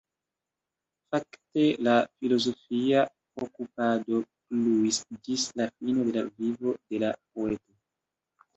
Fakte la filozofia okupado pluis ĝis la fino de la vivo de la poeto.